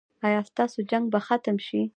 ایا ستاسو جنګ به ختم شي؟